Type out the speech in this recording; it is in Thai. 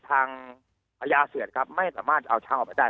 พญาเสือดครับไม่สามารถเอาช้างออกไปได้